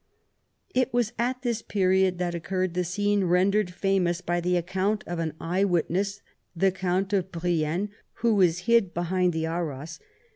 It was at this period that occurred the scene rendered famous by the account of an eye witness, the Count of Brienne, who was hid behind the arras.